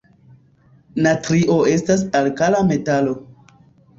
Natrio estas alkala metalo.